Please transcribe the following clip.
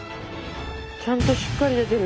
ちゃんとしっかり出てる。